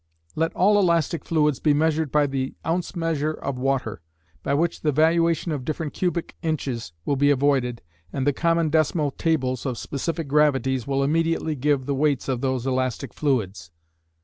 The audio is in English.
Let all elastic fluids be measured by the ounce measure of water, by which the valuation of different cubic inches will be avoided, and the common decimal tables of specific gravities will immediately give the weights of those elastic fluids.